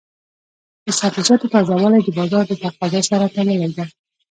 د سبزیجاتو تازه والی د بازار د تقاضا سره تړلی دی.